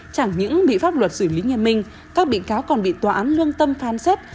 chẳng những bị pháp luật xử lý nhà mình các bị cáo còn bị tòa án lương tâm phan xét